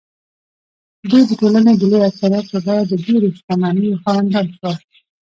دوی د ټولنې د لوی اکثریت په بیه د ډېرو شتمنیو خاوندان شول.